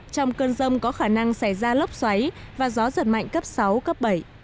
trong cơn rông có khả năng xảy ra lốc xoáy và gió giật mạnh cấp sáu cấp bảy